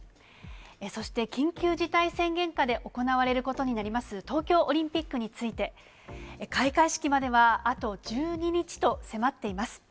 そして緊急事態宣言下で行われることになります東京オリンピックについて、開会式まではあと１２日と迫っています。